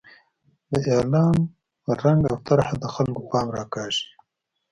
د اعلان رنګ او طرحه د خلکو پام راکاږي.